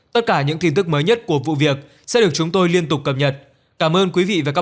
tất cả những tin tức mới nhất của vụ việc sẽ được chúng tôi liên tục cập nhật cảm ơn quý vị và các bạn